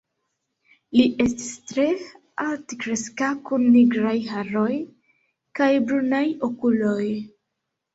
Li estis tre altkreska kun nigraj haroj kaj brunaj okuloj.